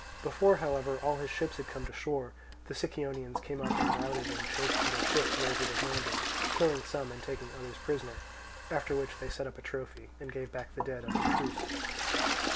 Before however all his ships had come to shore, the Sicyonians came up and routed and chased to their ships those that had landed, killing some and taking others prisoners; after which they set up a trophy, and gave back the dead under truce.